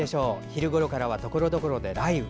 昼ごろからはところどころで雷雨。